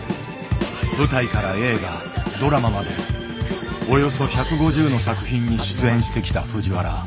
舞台から映画ドラマまでおよそ１５０の作品に出演してきた藤原。